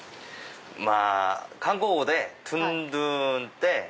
まぁ韓国語でトゥンドゥンって。